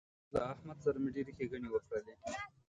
له احمد سره مې ډېرې ښېګڼې وکړلې